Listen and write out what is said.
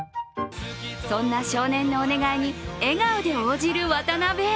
そんな少年のお願いに笑顔で応じる渡邊。